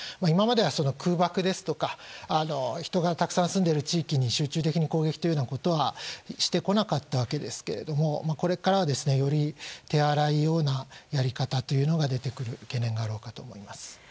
今までは空爆ですとか人がたくさん住んでいる地域に集中に攻撃ということはしてこなかったわけですがこれからは、より手荒いようなやり方というのが出てくる懸念があろうかと思います。